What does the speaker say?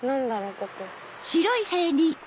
ここ。